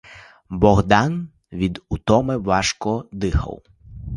Богдан від утоми важко дихав.